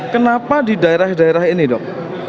kenapa di daerah daerah ini dok